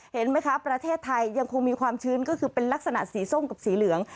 เห็นไหมคะประเทศไทยยังคงมีความชื้นก็คือเป็นลักษณะสีส้มกับสีเหลือง